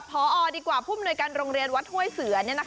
พอดีกว่าผู้มนุยการโรงเรียนวัดห้วยเสือ